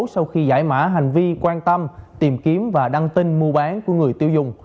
sau khi giải mã hành vi quan tâm tìm kiếm và đăng tin mua bán của người tiêu dùng